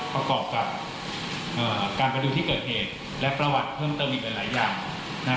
ประกอบกับการมาดูที่เกิดเหตุและประวัติเพิ่มเติมอีกหลายอย่างนะฮะ